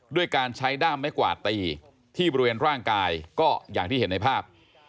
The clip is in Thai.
ด้วยการใช้ด้ามไม้กวาดตีที่บริเวณร่างกายก็อย่างที่เห็นในภาพ